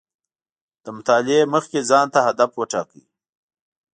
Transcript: له مطالعې مخکې ځان ته هدف و ټاکئ